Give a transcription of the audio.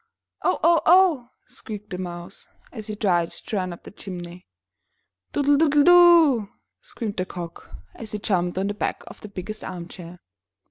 *'0h! oh! oh!'* squeaked the Mouse, as he tried to run up the chimney. Doodle doodle do! screamed the Cock, as he jumped on the back of the biggest arm chair.